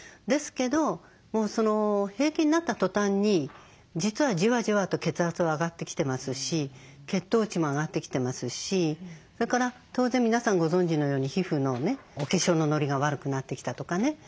ですけどもう閉経になったとたんに実はじわじわと血圧は上がってきてますし血糖値も上がってきてますしだから当然皆さんご存じのように皮膚のねお化粧のノリが悪くなってきたとかね。